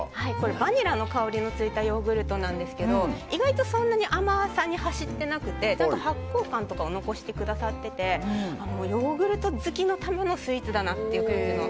バニラの香りのついたヨーグルトなんですけど意外と、そんなに甘さに走ってなくてちゃんと発酵感とかを残してくださっててヨーグルト好きのためのスイーツだなと。